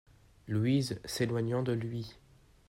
LOUISE, s'éloignant de lui.